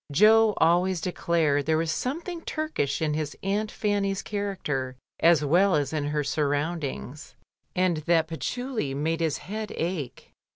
Jo always declared there was something Turkish in his aunt Fanny's character as well as in her sur roundings, and that patchouli made his head ache.